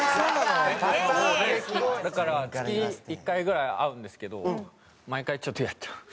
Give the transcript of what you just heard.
だから月１回ぐらい会うんですけど毎回ちょっとやっちゃう。